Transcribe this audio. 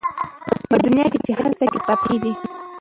په دنیا کي چي هر څه کتابخانې دي